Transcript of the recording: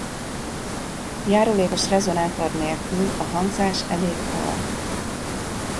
Járulékos rezonátor nélkül a hangzás elég halk.